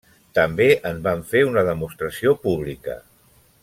També en van fer una demostració pública.